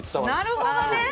なるほどね。